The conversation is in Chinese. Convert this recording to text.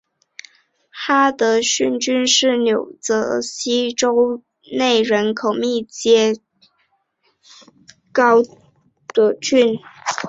哈德逊郡是纽泽西州内人口密度最高的郡。